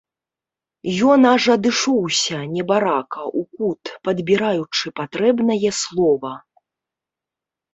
Ён аж адышоўся, небарака, у кут, падбіраючы патрэбнае слова.